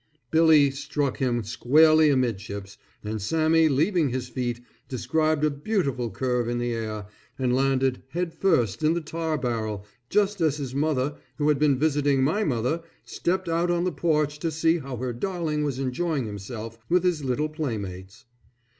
Billy struck him squarely amidships, and Sammy leaving his feet, described a beautiful curve in the air, and landed head first in the tar barrel, just as his mother, who had been visiting my mother, stepped out on the porch to see how her darling was enjoying himself with his little playmates.